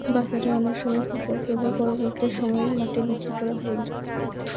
বাজারে অনেক সময় ফসল তোলার পরবর্তী সময়ের মাটি বিক্রি করা হয়।